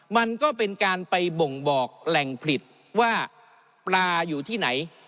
มันก็เป็นการไปบ่งบอกแหล่งผลิตว่าปลาอยู่ที่ไหน